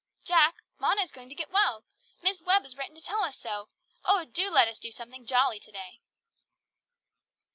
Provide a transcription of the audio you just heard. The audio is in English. "Jack, Mona is going to get well. Miss Webb has written to tell us so. Oh, do let us do something jolly to day."